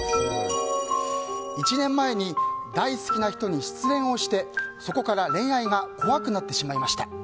１年前に大好きな人に失恋をしてそこから恋愛が怖くなってしまいました。